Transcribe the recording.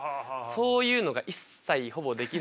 そういうのが一切ほぼできないので。